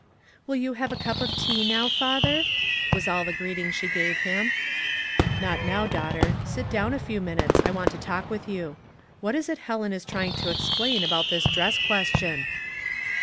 "Will you have a cup of tea now, father?'* was all the greeting she gave him. "Not now, daughter. Sit down a few min utes, I want to talk with you. What is it Helen is trying to explain about this dress question